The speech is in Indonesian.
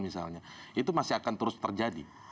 misalnya itu masih akan terus terjadi